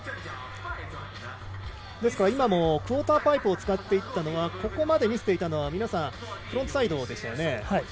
今もクオーターパイプを使っていったのはここまで見せていたのは皆さんフロントサイドでしたよね。